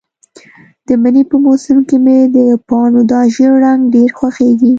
د مني په موسم کې مې د پاڼو دا ژېړ رنګ ډېر خوښیږي.